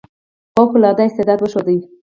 فوق العاده استعداد وښود.